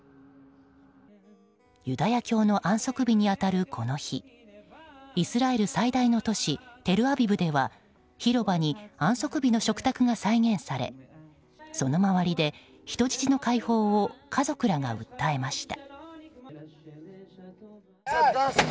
ユダヤ教の安息日に当たるこの日イスラエル最大の都市テルアビブでは広場に安息日の食卓が再現されその周りで、人質の解放を家族らが訴えました。